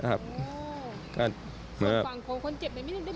คนเจ็บไม่ได้รีการตอบคำหยาบนะครับ